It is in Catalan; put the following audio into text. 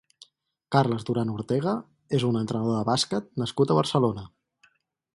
Carles Duran Ortega és un entrenador de bàsquet nascut a Barcelona.